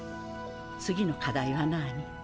次の課題はなぁに？